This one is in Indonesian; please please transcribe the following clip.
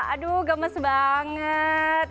aduh gemes banget